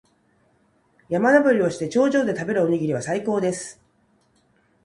山登りをして、頂上で食べるおにぎりは最高です。